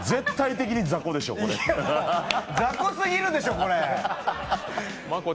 ざこすぎるでしょ、これ。